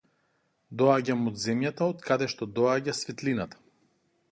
Доаѓам од земјата од каде што доаѓа светлината.